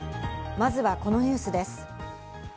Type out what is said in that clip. まずはこのニュースです。